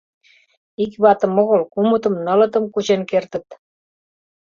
Ик ватым огыл — кумытым-нылытым кучен кертыт.